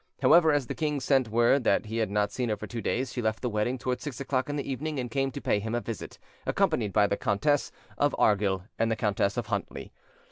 However, as the king sent word that he had not seen her for two days, she left the wedding towards six o'clock in the evening, and came to pay him a visit, accompanied by the Countess of Argyll and the Countess of Huntly.